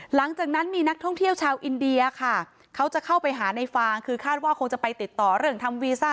หลังจากนั้นมีนักท่องเที่ยวชาวอินเดียค่ะเขาจะเข้าไปหาในฟางคือคาดว่าคงจะไปติดต่อเรื่องทำวีซ่า